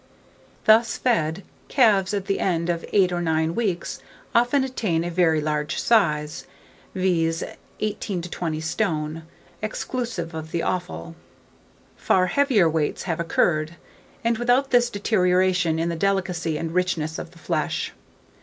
Thus fed, calves, at the end of 8 or 9 weeks, often attain a very large size; viz., 18 to 20 stone, exclusive of the offal. Far heavier weights have occurred, and without any deterioration in the delicacy and richness of the flesh.